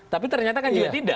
tapi ternyata kan juga tidak